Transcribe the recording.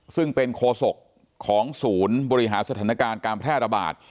ซึ่งเป็นโคศกของศูนย์บริหารสถานการณ์การแพร่ระบาด